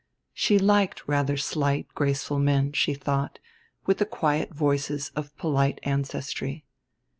She liked rather slight graceful men, she thought, with the quiet voices of a polite ancestry.